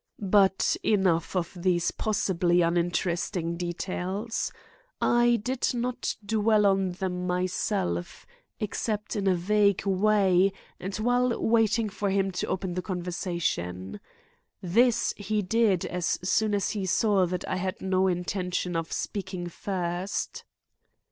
But enough of these possibly uninteresting details. I did not dwell on them myself, except in a vague way and while waiting for him to open the conversation. This he did as soon as he saw that I had no intention of speaking first.